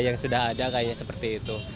yang sudah ada kayaknya seperti itu